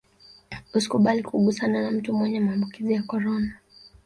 usikubali kugusana na mtu mwenye maambukizi ya korona